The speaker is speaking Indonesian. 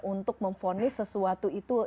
untuk memfonis sesuatu itu